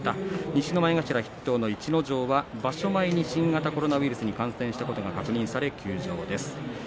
西の前頭筆頭の逸ノ城は場所前に新型コロナウイルスに感染していることが確認され休場です。